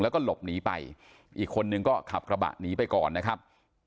แล้วก็หลบหนีไปอีกคนนึงก็ขับกระบะหนีไปก่อนนะครับ